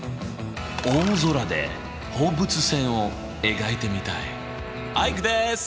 大空で放物線を描いてみたいアイクです！